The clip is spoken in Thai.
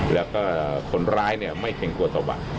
แล้วก็คนร้ายไม่เค็งกว่าต่อวัด